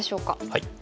はい。